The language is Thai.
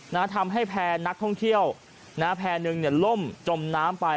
นะฮะทำให้แพร่นักท่องเที่ยวนะฮะแพร่หนึ่งเนี่ยล่มจมน้ำไป